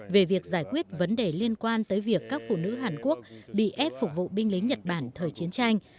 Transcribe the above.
về việc giải quyết vấn đề liên quan tới việc các phụ nữ hàn quốc bị ép phục vụ binh lính nhật bản thời chiến tranh